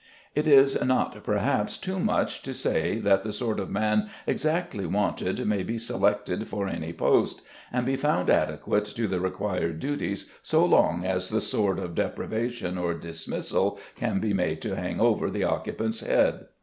It is not, perhaps, too much to say that the sort of man exactly wanted may be selected for any post, and be found adequate to the required duties so long as the sword of deprivation or dismissal can be made to hang over the occupant's head.